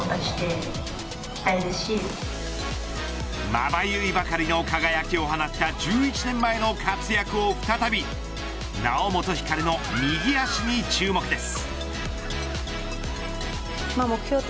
まばゆいばかりの輝きを放った１１年前の活躍を再び猶本光の右脚に注目です。